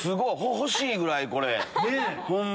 欲しいぐらいこれホンマ。